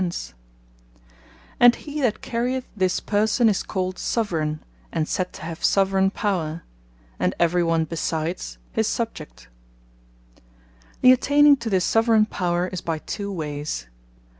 Soveraigne, And Subject, What And he that carryeth this Person, as called SOVERAIGNE, and said to have Soveraigne Power; and every one besides, his SUBJECT. The attaining to this Soveraigne Power, is by two wayes.